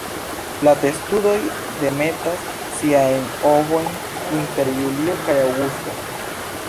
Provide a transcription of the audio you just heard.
La testudoj demetas siajn ovojn inter julio kaj aŭgusto.